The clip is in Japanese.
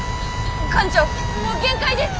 艦長もう限界です！